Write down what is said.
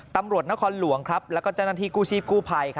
ตำรวจนครหลวงแล้วก็เจ้าหน้าที่กู้ชีพกู้ภัย